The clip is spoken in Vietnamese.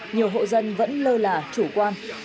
nhiều hộ dân vẫn lơ là chủ quan